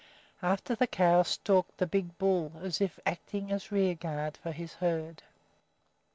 After the cows stalked the big bull, as if acting as rear guard for his herd.